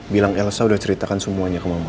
bilang elsa sudah ceritakan semuanya ke mama